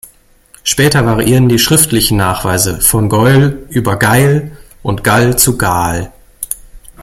Später variieren die schriftlichen Nachweise: von Geul über Geil und Gall zu Gaal.